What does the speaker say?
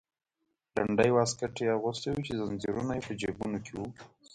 لنډی واسکټ یې اغوستی و چې زنځیرونه یې په جیبونو کې وو.